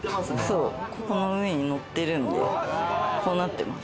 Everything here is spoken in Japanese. この上に乗ってるんで。